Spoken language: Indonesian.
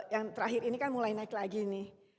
yang terakhir ini kan mulai naik lagi nih